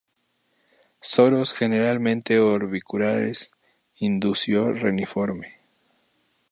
Soros generalmente orbiculares; indusio reniforme.